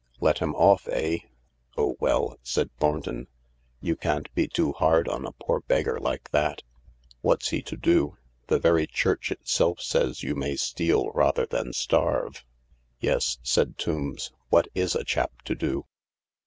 " Let him off, eh ?" "Oh well," said Thornton, "you can't be too hard on a poor beggar like that. What's he to do ? The very Church itself says you may steal rather than starve." " Yes," said Tombs, " what is a chap to do